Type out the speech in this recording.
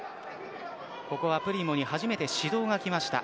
ここはプリモに初めて指導がきました。